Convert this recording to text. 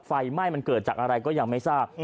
ไฟไหม้มันเกิดจากอะไรก็ยังไม่ทราบ